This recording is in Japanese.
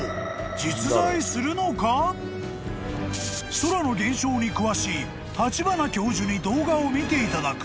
［空の現象に詳しい立花教授に動画を見ていただく］